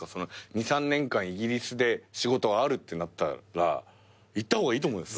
２３年間イギリスで仕事あるってなったら行った方がいいと思います？